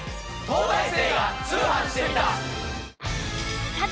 『東大生が通販してみた！！』。